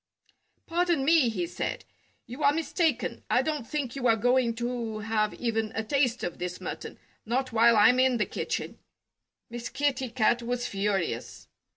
"Pardon me!" he said. "You are mistaken. I don't think you're going to have even a taste of this mutton not while I'm in the kitchen!" Miss Kitty Cat was furious.